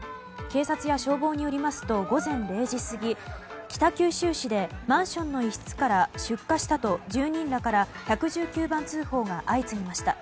警察や消防によりますと午前０時過ぎ北九州市でマンションの一室から出火したと住人らから１１９番通報が相次ぎました。